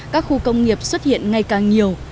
các khu công nghiệp xuất hiện ngay càng nhiều